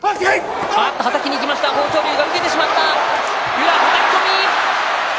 宇良をはたき込み。